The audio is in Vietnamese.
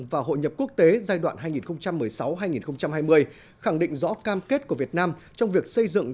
và hội nhập quốc tế giai đoạn hai nghìn một mươi sáu hai nghìn hai mươi khẳng định rõ cam kết của việt nam trong việc xây dựng